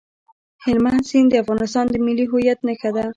هلمند سیند د افغانستان د ملي هویت نښه ده.